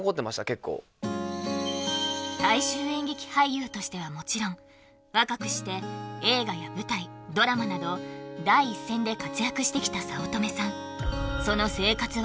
結構大衆演劇俳優としてはもちろん若くして映画や舞台ドラマなど第一線で活躍してきた早乙女さん